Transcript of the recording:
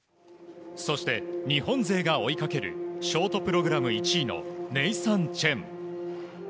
そして、日本勢が追いかけるショートプログラム１位のネイサン・チェン。